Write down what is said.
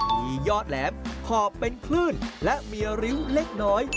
มียอดแหลมขอบเป็นคลื่นและมีริ้วเล็กน้อย